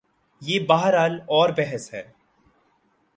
یہ بہرحال اور بحث ہے۔